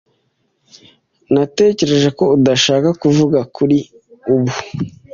Natekereje ko udashaka kuvuga kuri ubu.